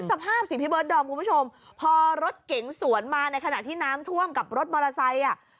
สภาพสิพี่เบิร์ดดอมคุณผู้ชมพอรถเก๋งสวนมาในขณะที่น้ำท่วมกับรถมอเตอร์ไซค์อ่ะ